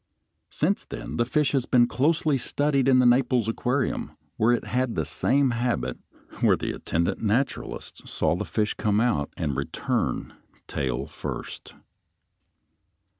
Since then the fish has been closely studied in the Naples Aquarium, where it had the same habit, and where the attendant naturalists saw the fish come out, and return tail first.